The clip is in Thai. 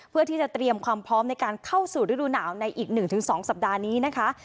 เพื่อที่จะเตรียมความพร้อมในการเข้าสู่ฤดูหนาวในอีก๑๒สัปดาห์นี้นะคะ